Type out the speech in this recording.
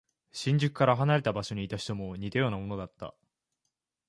新宿から離れた場所にいた人も似たようなものだった。